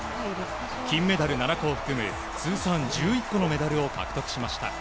金メダル７個を含む通算１１個のメダルを獲得しました。